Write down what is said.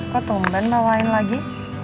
kok temen bawain lagi